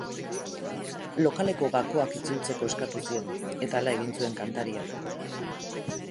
Lokaleko gakoak itzultzeko eskatu zion, eta hala egin zuen kantariak.